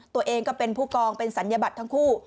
ตัวเองก็เป็นผู้กองเป็นศัลยบัตรทั้งคู่